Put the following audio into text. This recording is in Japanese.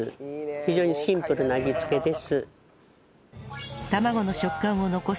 非常にシンプルな味付けです。